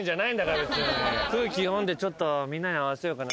空気読んでちょっとみんなに合わせようかな。